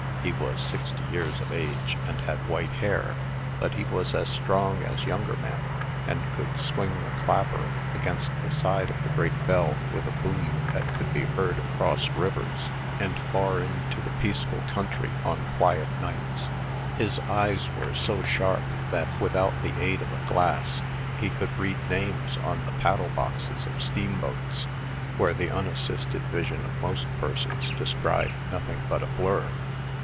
He was sixty years of age, and had white hair, but he was as strong as younger men, and could swing the clapper against the side of the great bell with a boom that could be heard across rivers, and far into the peaceful country, on quiet nights. His eyes were so sharp, that, without the aid of a glass, he could read names on the paddle boxes of steamboats, where the unassisted vision of most persons descried nothing but a blur.